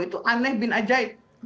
itu aneh bin ajaib